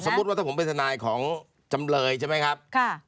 สมมุติถ้าผมเป็นธนายของจำเรอยใช่มั้ยครับ